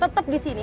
tetap di sini